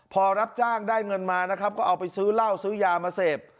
พอรับจ้างได้เงินมานะครับก็เอาไปซื้อเหล้าซื้อยามาเสพ